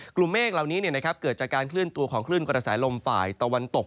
กลุ่มเมฆเหล่านี้เกิดจากการเคลื่อนตัวของคลื่นกระแสลมฝ่ายตะวันตก